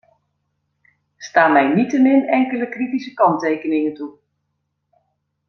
Sta mij niettemin enkele kritische kanttekeningen toe.